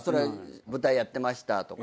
舞台やってましたとか。